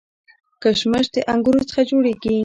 کشمش د انګورو څخه جوړیږي